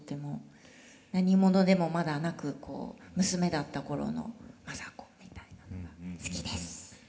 何者でもまだなく娘だった頃の政子みたいなのが好きです。